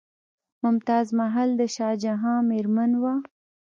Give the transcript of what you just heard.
ممتاز محل د شاه جهان میرمن وه.